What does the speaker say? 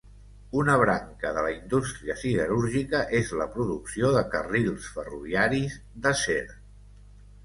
Una branca de la indústria siderúrgica és la producció de carrils ferroviaris d'acer.